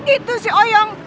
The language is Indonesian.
itu sih ouyang